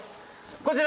こちら。